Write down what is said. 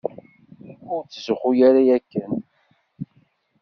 Ur tzuxxu ara akken.